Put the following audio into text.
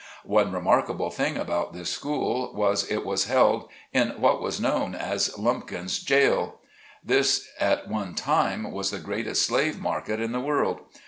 One remarkable thing about this school was, it was held in what was known as " Lumpkins Jail" This at one time was the greatest slave market in the world.